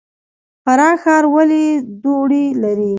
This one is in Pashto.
فراه ښار ولې دوړې لري؟